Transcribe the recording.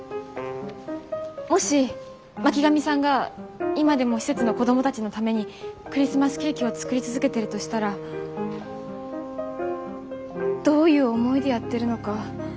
もし巻上さんが今でも施設の子どもたちのためにクリスマスケーキを作り続けてるとしたらどういう思いでやってるのか。